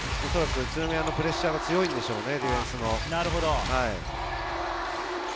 宇都宮のプレッシャーが強いんでしょうね、ディフェンスの。